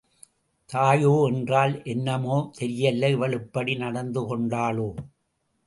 தாயோ என்றால் என்னமோ, தெரியலை இவள் எப்படி நடந்து கொண்டாளோ?